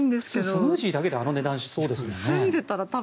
スムージーだけであの値段しそうですからね。